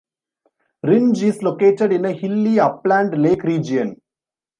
Rindge is located in a hilly upland lake region.